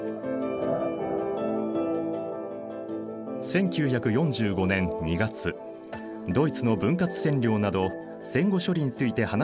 １９４５年２月ドイツの分割占領など戦後処理について話し合われたヤルタ会談。